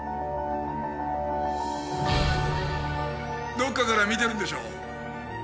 どっかから見てるんでしょう？